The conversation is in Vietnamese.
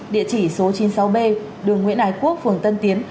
địa chỉ số chín mươi sáu b đường nguyễn ái quốc phường tân tiến